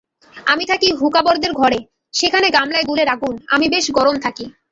আমি থাকি হুঁকাবরদারের ঘরে, সেখানে গামলায় গুলের আগুন, আমি বেশ গরম থাকি।